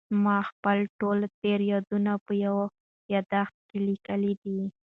ما خپل ټول تېر یادونه په یو یادښت کې لیکلي دي.